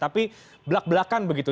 tapi belak belakan begitu